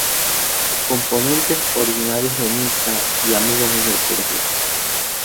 Sus componentes, originarios de Niza y amigos desde el colegio.